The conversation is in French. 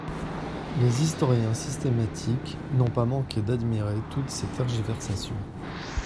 Les historiens systématiques n'ont pas manqué d'admirer toutes ces tergiversations.